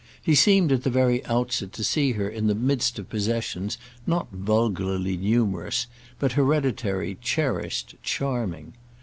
He seemed at the very outset to see her in the midst of possessions not vulgarly numerous, but hereditary cherished charming.